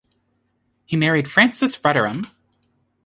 He married Frances Rudderham.